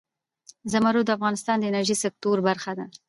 زمرد د افغانستان د انرژۍ سکتور برخه ده.